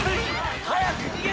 早く逃げて！